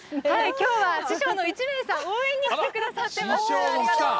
今日は師匠の市根井さん、応援にきてくださっています。